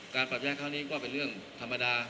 การปรับแยกเท่านี้ก็เป็นเรื่องธรรมดา